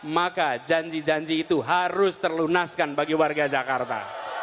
maka janji janji itu harus terlunaskan bagi warga jakarta